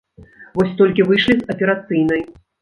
Вось толькі выйшлі з аперацыйнай.